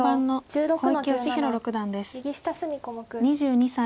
２２歳。